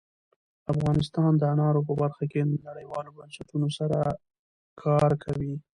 افغانستان د انارو په برخه کې له نړیوالو بنسټونو سره کار کوي.